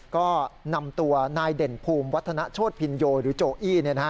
ก็นำตัวนายเด่นภูมิวัฒนโชธพินโยหรือโจอี้